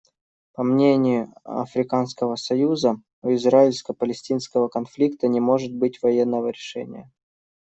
По мнению Африканского союза, у израильско-палестинского конфликта не может быть военного решения.